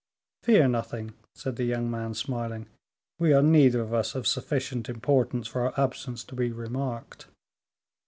"Fear nothing," said the young man, smiling, "we are neither of us of sufficient importance for our absence to be remarked."